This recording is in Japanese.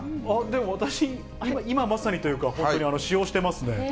私、今まさにというか、本当に使用してますね。